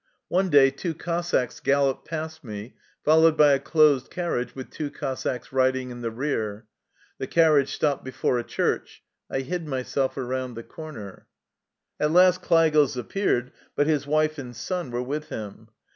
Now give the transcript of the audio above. One day two Cossacks galloped past ше, followed by a closed carriage with two Cossacks riding in the rear. The carriage stopped before a church. I hid myself around the corner. At last Klei gels appeared, but his wife and son were w^ith him.